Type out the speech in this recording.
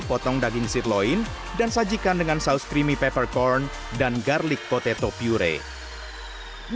potong daging sirloin dan sajikan dengan saus creamy pepper corn dan garlic potato puree